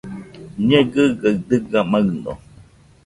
Ñekɨgaɨ dɨga maɨno